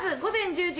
１０時？